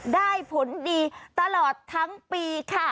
ได้ผลดีตลอดทั้งปีค่ะ